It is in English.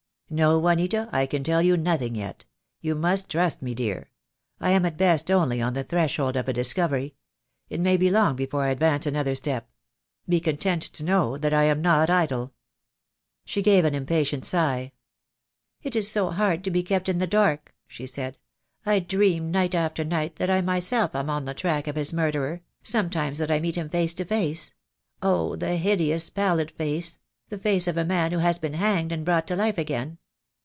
"No, Juanita, I can tell you nothing yet. You must trust me, dear. I am at best only on the threshold of a discovery. It may be long before I advance another step. Be content to know that I am not idle." She gave an impatient sigh. "It is so hard to be kept in the dark," she said. "I dream night after night that I myself am on the track of his murderer — sometimes that I meet him face to face — oh, the hideous pallid face — the face of a man who has been hanged and brought to life again.